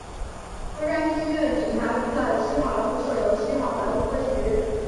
洛杉矶郡警察局在西好莱坞设有西好莱坞分局。